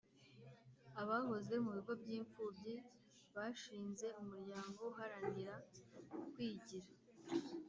abahoze mu bigo by’imfubyi bashinze umuryango uhanaranira kwigira